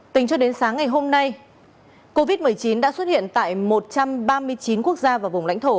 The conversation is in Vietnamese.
tính cho đến sáng ngày hôm nay covid một mươi chín đã xuất hiện tại một trăm ba mươi chín quốc gia và vùng lãnh thổ